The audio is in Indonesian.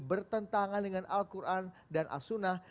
bertentangan dengan al quran dan as sunnah